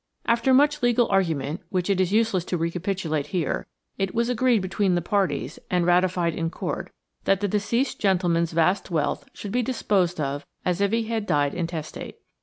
After much legal argument, which it is useless to recapitulate here, it was agreed between the parties, and ratified in court, that the deceased gentleman's vast wealth should be disposed of as if he had died intestate.